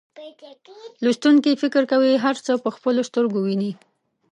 لوستونکي فکر کوي هر څه په خپلو سترګو ویني.